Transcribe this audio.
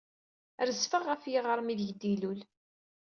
Rezfeɣ ɣef yiɣrem ideg d-ilul.